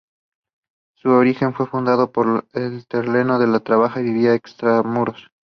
En su origen fue fundado por los hortelanos que trabajaban y vivían extramuros.